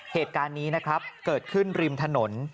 เหตุการณ์นี้นะครับเกิดขึ้นริมถนน